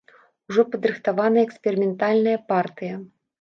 Ужо падрыхтаваная эксперыментальная партыя.